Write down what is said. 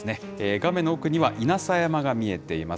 画面の奥には、稲佐山が見えています。